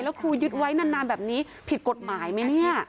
แล้วครูยึดไว้นานแบบนี้ผิดกฎหมายไหมเนี่ย